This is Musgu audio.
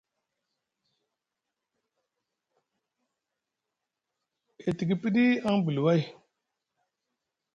E tiki piɗi aŋ bili way.